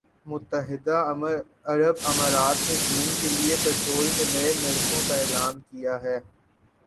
متحدہ عرب امارات نے جون کے لیے پٹرول کے نئے نرخوں کا اعلان کیا ہے